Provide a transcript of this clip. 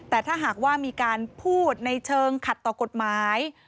แต่ถ้าหากว่ามีการพูดในเชิงขัดต่อกฎหมาย